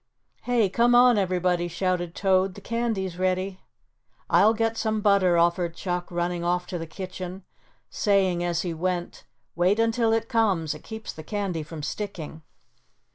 "Hey, come on, everybody," shouted Toad, "the candy's ready." "I'll get some butter," offered Chuck, running off to the kitchen, saying as he went: "Wait until it comes; it keeps the candy from sticking."